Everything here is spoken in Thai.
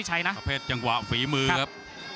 เจ้าเพชรจังหวะฝีมือครับ